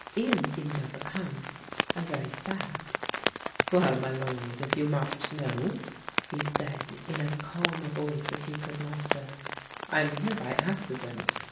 Ian seemed overcome and very sad. "Well, my Lord, if you must know," he said in as calm a voice as he could muster, "I am here by accident.